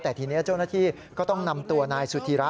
แต่ทีนี้เจ้าหน้าที่ก็ต้องนำตัวนายสุธิระ